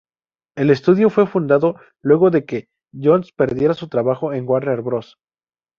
El estudio fue fundado luego que Jones perdiera su trabajo en Warner Bros.